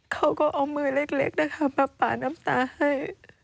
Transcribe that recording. เขาก็เอามือเล็กนะคะมาป่าน้ำตาให้